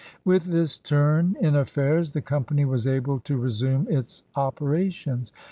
With this turn in affairs the Company was able to resume its operations.